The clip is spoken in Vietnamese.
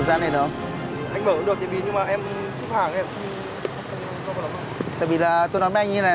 còn đây là gì đây anh